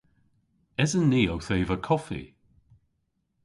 Esen ni owth eva koffi?